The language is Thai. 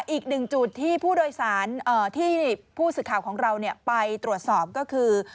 อีกหนึ่งจุดที่ผู้สิทธิ์ข่าวของเราไปตรวจสอบก็คือ